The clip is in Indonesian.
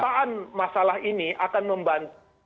petaan masalah ini akan membantu